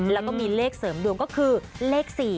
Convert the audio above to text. แล้วก็มีเลขเสริมดวงก็คือเลข๔